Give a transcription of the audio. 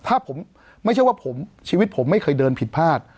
ถ้าผมไม่ใช่ว่าชีวิตผมไม่เคยเดินผิดพลาด